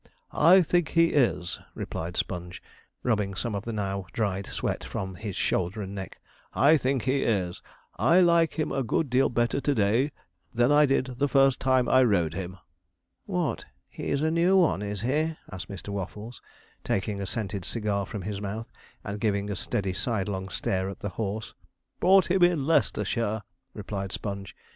'I think he is,' replied Sponge, rubbing some of the now dried sweat from his shoulder and neck; 'I think he is; I like him a good deal better to day than I did the first time I rode him.' 'What, he's a new one, is he?' asked Mr. Waffles, taking a scented cigar from his mouth, and giving a steady sidelong stare at the horse. 'Bought him in Leicestershire,' replied Sponge.